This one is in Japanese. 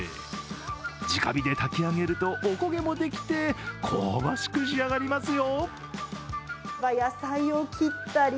直火で炊き上げるとお焦げもできて香ばしく仕上がりますよ。